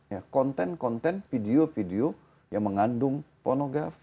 ya konten konten video video yang mengandung pornografi